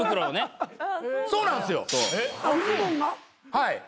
はい。